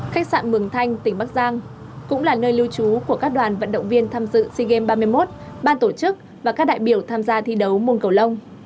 khách sạn mường thanh tỉnh bắc giang cũng là nơi lưu trú của các đoàn vận động viên tham dự sea games ba mươi một ban tổ chức và các đại biểu tham gia thi đấu môn cầu lông